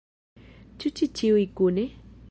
Ĉu ĉi ĉiuj kune?